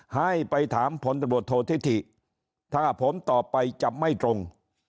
หาให้ไปถามผลบทบทธิฐิถ้าผมตอบไปจับไม่ตรง